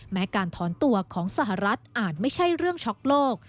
การถอนตัวของสหรัฐอาจไม่ใช่เรื่องช็อกโลก